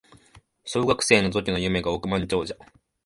小学生の時の夢が億万長者